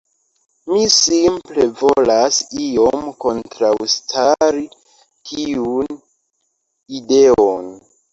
Mi simple volas iom kontraŭstari tiun ideon.